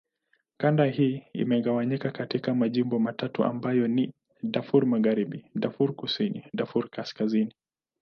Kanda hii imegawanywa katika majimbo matatu ambayo ni: Darfur Magharibi, Darfur Kusini, Darfur Kaskazini.